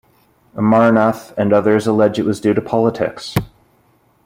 Amarnath and others allege it was due to politics.